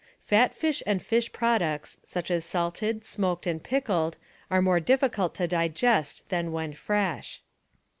Fat fish and fish products, such as salted, smoked and pickeled, are more difficult to digest than when fresh.